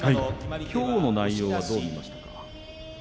きょうの内容はどうでしたか。